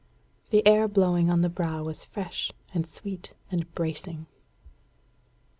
The air blowing on the brow was fresh and sweet and bracing.